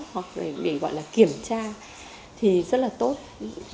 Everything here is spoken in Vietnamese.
hoặc để gọi là kiểm tra thì rất là tốt